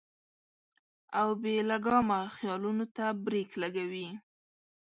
او بې لګامه خيالونو ته برېک لګوي -